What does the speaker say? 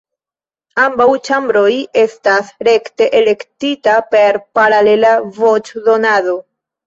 Ambaŭ ĉambroj estas rekte elektita per paralela voĉdonado.